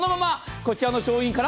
こちらの商品から。